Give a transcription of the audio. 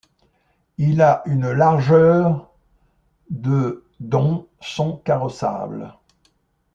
Il a une largeur de dont sont carrossables.